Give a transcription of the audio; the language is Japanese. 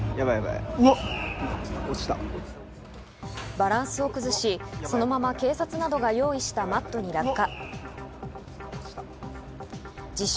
バランスを崩し、そのまま警察などが用意したマットに落下。